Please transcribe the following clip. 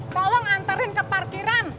tolong anterin ke parkiran